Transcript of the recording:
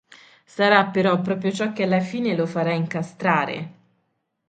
Sarà però proprio ciò che alla fine lo farà incastrare.